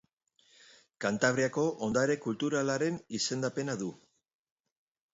Kantabriako Ondare Kulturalaren izendapena du.